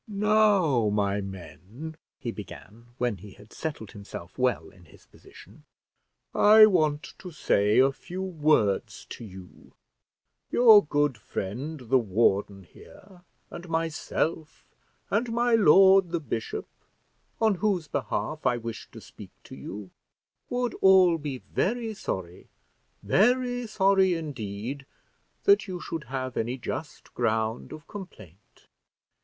"Now, my men," he began, when he had settled himself well in his position, "I want to say a few words to you. Your good friend, the warden here, and myself, and my lord the bishop, on whose behalf I wish to speak to you, would all be very sorry, very sorry indeed, that you should have any just ground of complaint.